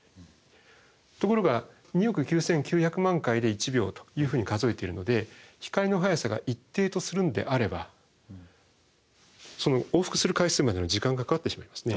ところが２億９９００万回で１秒というふうに数えているので光の速さが一定とするんであれば往復する回数までの時間がかかってしまいますね。